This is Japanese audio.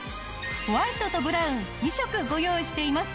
ホワイトとブラウン２色ご用意しています。